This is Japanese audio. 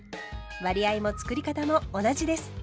割合もつくり方も同じです。